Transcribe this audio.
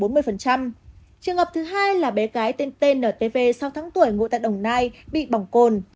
trường hợp thứ hai là bé gái tên tntv sáu tháng tuổi ngồi tại đồng nai bị bỏng cồn